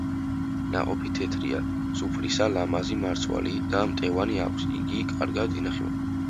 ნაყოფი თეთრია, სუფრისა, ლამაზი მარცვალი და მტევანი აქვს, კარგად ინახება.